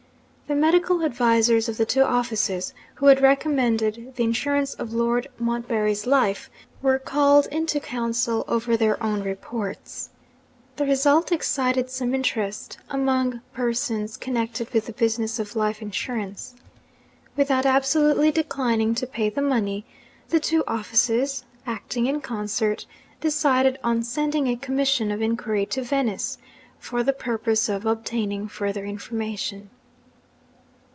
The medical advisers of the two offices, who had recommended the insurance of Lord Montbarry's life, were called into council over their own reports. The result excited some interest among persons connected with the business of life insurance. Without absolutely declining to pay the money, the two offices (acting in concert) decided on sending a commission of inquiry to Venice, 'for the purpose of obtaining further information.'